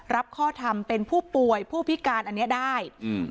รับข้อทำเป็นผู้ป่วยผู้พิการอันเนี้ยได้อืม